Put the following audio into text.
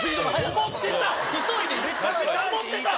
思ってたわ！